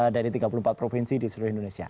dari tiga puluh empat provinsi di seluruh indonesia